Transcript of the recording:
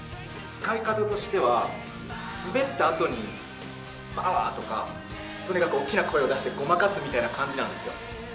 使い方としては、すべったあとに、パワーとか、とにかく大きな声を出して、ごまかすみたいな感じなんですよ。